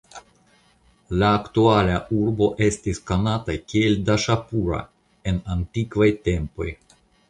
La aktuala urbo estis konata kiel Daŝapura en antikvaj tempoj.